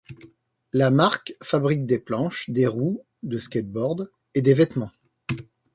La marque fabrique des planches, des roues de skateboards et des vêtements.